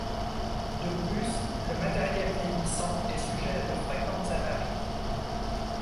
De plus, le matériel vieillissant est sujet à de fréquentes avaries.